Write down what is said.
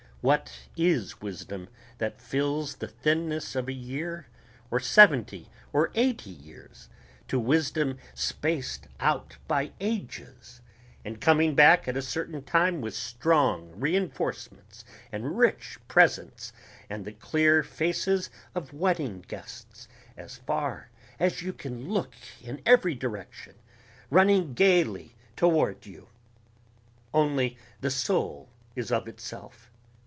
What is wisdom that fills the thinness of a year or seventy or eighty years to wisdom spaced out by ages and coming back at a certain time with strong reinforcements and rich presents and the clear faces of wedding guests as far as you can look in every direction, running gaily toward you? Only the soul is of itself